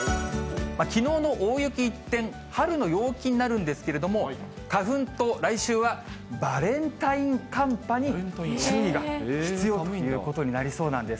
きのうの大雪一転、春の陽気になるんですけれども、花粉と、来週はバレンタイン寒波に注意が必要ということになりそうなんです。